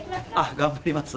頑張ります。